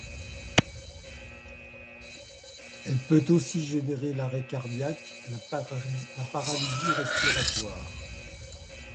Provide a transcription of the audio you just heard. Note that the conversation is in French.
Elle peut aussi générer l'arrêt cardiaque, la paralysie respiratoire.